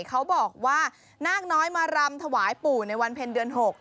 เขาบอกว่านาคน้อยมารำถวายปู่ในวันเพ็ญเดือน๖